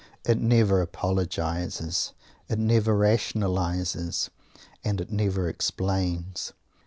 It never apologizes; it never rationalizes; and it never explains.